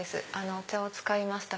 お茶を使いました